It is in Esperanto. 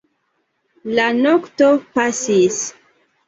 La nokto pasis.